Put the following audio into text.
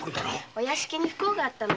お屋敷に不幸があったの。